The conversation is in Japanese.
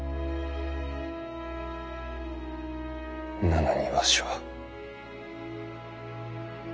なのにわしは。